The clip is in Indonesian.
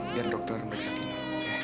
biar dokter meriksa bino ya